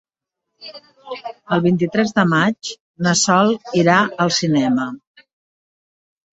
El vint-i-tres de maig na Sol irà al cinema.